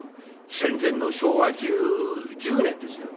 戦前の昭和１０年ですよ。